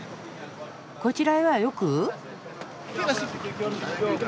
こちらへはよく？